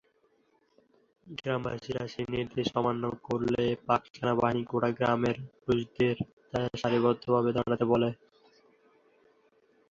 গ্রামবাসীরা সেই নির্দেশ অমান্য করলে পাক সেনাবাহিনী গোটা গ্রামের পুরুষদের সারিবদ্ধভাবে দাঁড়াতে বলে।